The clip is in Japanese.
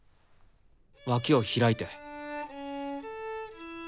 脇を開いて。